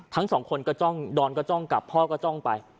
ทั้งสองคนก็จ้องดอนก็จ้องกลับพ่อก็จ้องไป